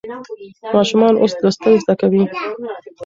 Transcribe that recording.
ماشومان اوس لوستل زده کوي.